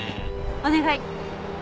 お願い。